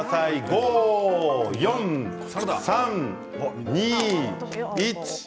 ５、４、３、２、１。